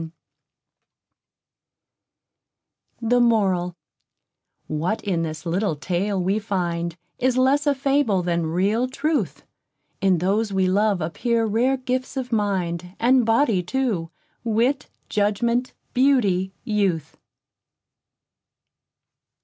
The Moral _What in this little Tale we find, Is less a fable than real truth. In those we love appear rare gifts of mind, And body too: wit, judgment, beauty, youth.